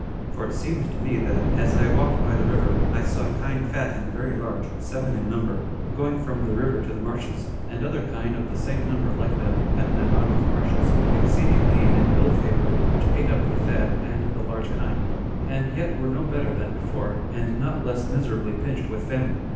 For it seemed to me that, as I walked by the river, I saw kine fat and very large, seven in number, going from the river to the marshes; and other kine of the same number like them, met them out of the marshes, exceeding lean and ill favored, which ate up the fat and the large kine, and yet were no better than before, and not less miserably pinched with famine.